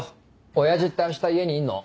親父ってあした家にいんの？